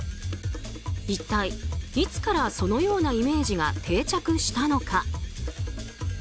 一体いつから、そのようなイメージが定着したのか。